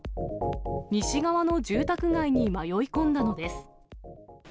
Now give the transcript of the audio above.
西側の住宅街に迷い込んだのです。